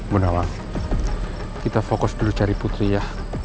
bu nawang kita fokus dulu cari putri ya